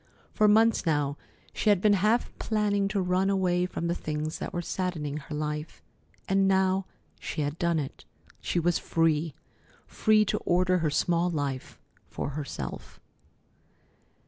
For months now she had been half planning to run away from the things that were saddening her life, and now she had done it. She was free! Free to order her small life for herself.